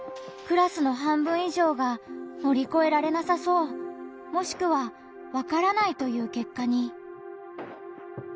クラスの半分以上が「乗り越えられなさそう」もしくは「わからない」という結果に。